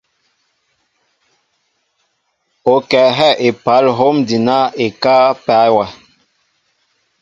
O kɛl yɛɛ epal hom adina ekáá epa wɛ.